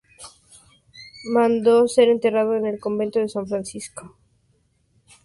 Mandó ser enterrado en el convento de San Francisco de Sonsonate.